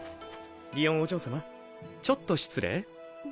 りおんお嬢様ちょっと失礼。